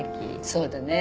そうだね。